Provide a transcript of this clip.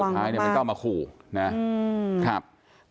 แล้วสุดท้ายมันก็เอามาคู่นะครับ